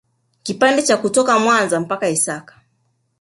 Kipande cha kutoka Mwanza mpaka Isaka